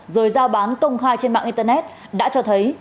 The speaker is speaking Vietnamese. rồi giao bán công khai trên mạng internet đã cho thấy